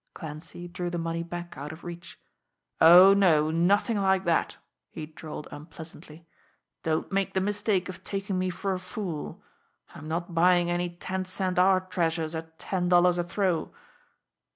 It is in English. Clancy drew the money back out of reach. "Oh, no, nothing like that!" he drawled unpleasantly. "Don't make the mistake of taking me for a fool. I'm not buying any ten cent art treasures at ten dollars a throw!"